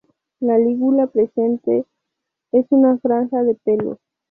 La lígula presente; es una franja de pelos.